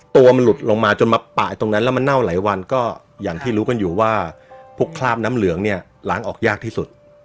ตัวมันหลุดลงมาจนมาปะตรงนั้นแล้วมันเน่าหลายวันก็อย่างที่รู้กันอยู่ว่าพวกคราบน้ำเหลืองเนี่ยล้างออกยากที่สุด